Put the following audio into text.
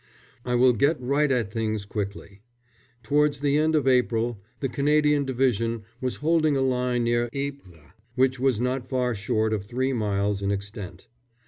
I will get right at things quickly. Towards the end of April the Canadian Division was holding a line near Ypres, which was not far short of three miles in extent.